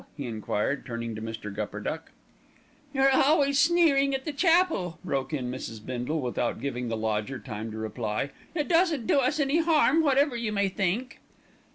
he enquired, turning to Mr. Gupperduck. "You're always sneering at the chapel," broke in Mrs. Bindle, without giving the lodger time to reply. "It doesn't do us any harm, whatever you may think."